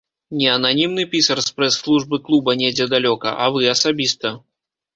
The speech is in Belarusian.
Не ананімны пісар з прэс-службы клуба недзе далёка, а вы асабіста.